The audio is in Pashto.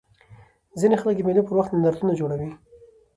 ځيني خلک د مېلو پر وخت نندارتونونه جوړوي.